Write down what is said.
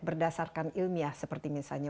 berdasarkan ilmiah seperti misalnya